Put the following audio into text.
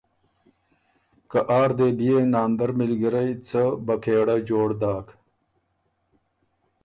که آر دې بئے ناندر مِلګِرئ څۀ بکېړۀ جوړ داک۔